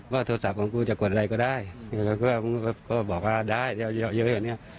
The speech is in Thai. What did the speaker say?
ว่าโทรศัพท์ของกูจะกดอะไรก็ได้ก็บอกว่าได้เย้เนี่ย